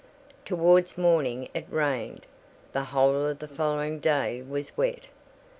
Towards morning it rained; the whole of the following day was wet.